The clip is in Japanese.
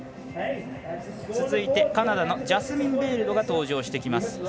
続いてカナダのジャスミン・ベイルドが登場です。